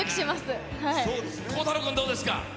孝太郎君、どうですか？